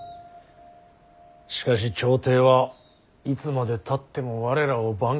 しかし朝廷はいつまでたっても我らを番犬扱い。